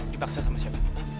dipaksa sama siapa